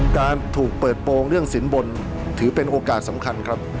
การถูกเปิดโปรงเรื่องสินบนถือเป็นโอกาสสำคัญครับ